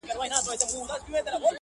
مورې هغه د سترگو تور به په زړگي کي وړمه!